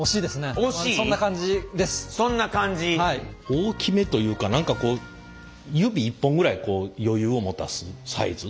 大きめというか何かこう指１本ぐらいこう余裕を持たすサイズ。